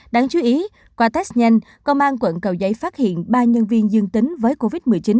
đáng chú ý qua test nhanh công an quận cầu giấy phát hiện ba nhân viên dương tính với covid một mươi chín